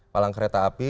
palang kereta api